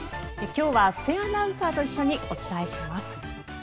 今日は布施アナウンサーと一緒にお伝えします。